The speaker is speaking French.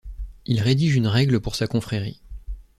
Il rédige une règle pour sa confrérie.